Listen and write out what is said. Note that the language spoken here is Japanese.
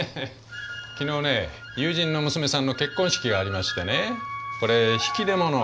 昨日ね友人の娘さんの結婚式がありましてねこれ引き出物。